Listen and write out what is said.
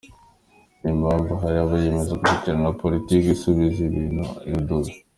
Ni mpamvu ki hari abiyemeza gushyigikira politiki isubiza ibintu irudubi?